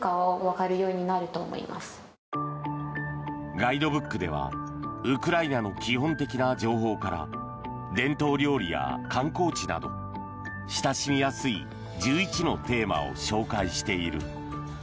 ガイドブックではウクライナの基本的な情報から伝統料理や観光地など親しみやすい１１テーマを紹介している。